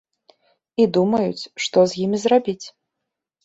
І думаюць, што з імі зрабіць.